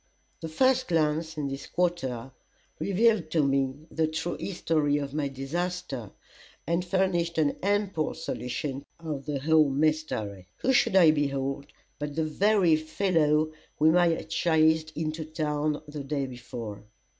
The first glance in this quarter revealed to me the true history of my disaster, and furnished an ample solution of the whole mystery. Who should I behold but the very fellow whom I had chased into town the day before.